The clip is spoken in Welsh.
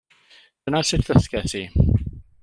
Dyna sut ddysges i.